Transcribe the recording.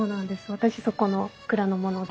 私そこの蔵の者で。